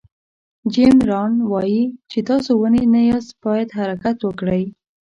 جیم ران وایي چې تاسو ونې نه یاست باید حرکت وکړئ.